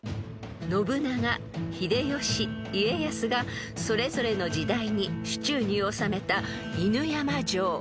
［信長秀吉家康がそれぞれの時代に手中に収めた犬山城］